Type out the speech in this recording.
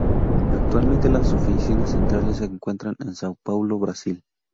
Actualmente, las oficinas centrales se encuentran en São Paulo, Brasil.